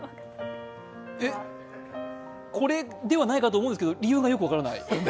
えっ、これではないかと思うんですけど理由がよく分からない。